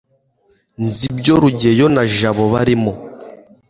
nzi ibyo rugeyo na jabo barimo